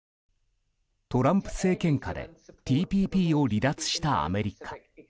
トランプ政権下でＴＰＰを離脱したアメリカ。